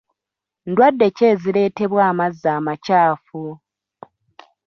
Ndwadde ki ezireetebwa amazzi amakyafu?